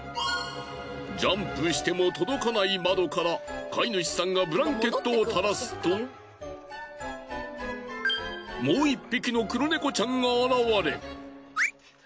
ジャンプしても届かない窓から飼い主さんがブランケットを垂らすともう１匹の黒ネコちゃんが現れ。